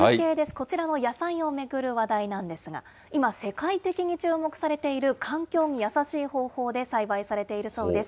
こちらの野菜を巡る話題なんですが、今、世界的に注目されている環境に優しい方法で栽培されているそうです。